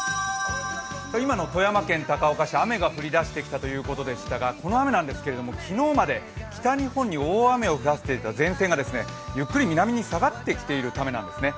今の富山県高岡市、雨が降り出してきたということでしたがこの雨ですけれども、昨日まで北日本に大雨を降らせていた前線がゆっくり南に下がってきているためなんですね。